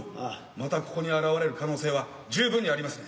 またここに現れる可能性は十分にありますね。